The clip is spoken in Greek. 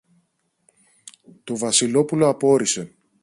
Το Βασιλόπουλο απόρησε.